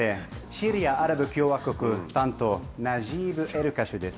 シリア・アラブ共和国担当ナジーブ・エルカシュです。